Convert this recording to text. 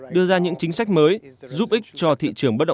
đưa ra những chính sách mới